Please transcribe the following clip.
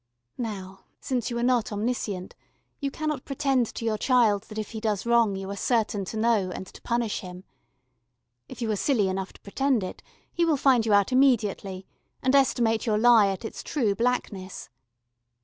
Now since you are not omniscient you cannot pretend to your child that if he does wrong you are certain to know and to punish him: if you are silly enough to pretend it, he will find you out immediately, and estimate your lie at its true blackness.